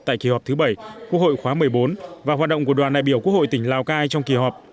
tại kỳ họp thứ bảy quốc hội khóa một mươi bốn và hoạt động của đoàn đại biểu quốc hội tỉnh lào cai trong kỳ họp